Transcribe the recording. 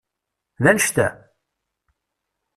D annect-a?